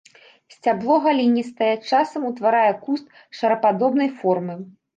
Сцябло галінастае, часам утварае куст шарападобнай формы.